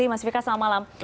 mas fika selamat malam